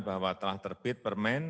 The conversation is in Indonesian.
bahwa telah terbit permen